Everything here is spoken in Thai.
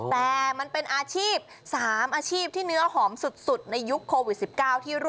แต่มันเป็นอาชีพ๓อาชีพที่เนื้อหอมสุดในยุคโควิด๑๙ที่ร่วม